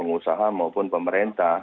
usaha maupun pemerintah